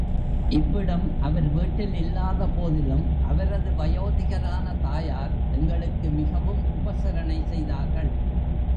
இவ்விடம் அவர் வீட்டில் இல்லாதபோதிலும் அவரது வயோதிகரான தாயார் எங்களுக்கு மிகவும் உபசரணை செய்தார்கள்.